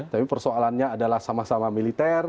tapi persoalannya adalah sama sama militer